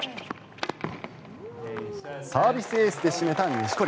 サービスエースで締めた錦織。